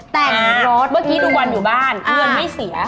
แต่งรถเมื่อกี้ดูวันอยู่บ้านเงินไม่เสีย